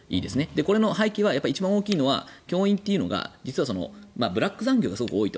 これの背景は一番大きいのは教員というのが実はブラック残業がすごく多いと。